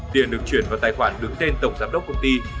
tiền được chuyển vào tài khoản đứng tên tổng giám đốc công ty